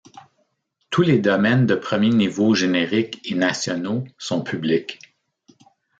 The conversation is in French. Tous les domaines de premier niveau génériques et nationaux sont publics.